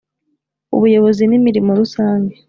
Ubuyobozi n imirimo rusange